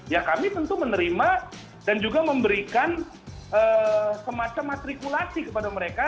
ya kami tentu menerima dan juga memberikan semacam matrikulasi kepada mereka